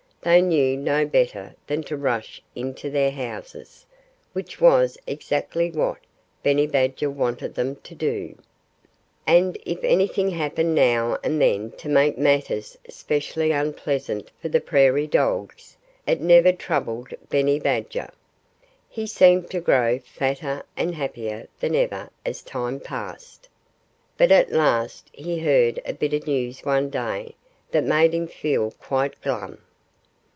They knew no better than to rush into their houses which was exactly what Benny Badger wanted them to do. And if anything happened now and then to make matters specially unpleasant for the prairie dogs, it never troubled Benny Badger. He seemed to grow fatter and happier than ever as time passed. But at last he heard a bit of news one day that made him feel quite glum.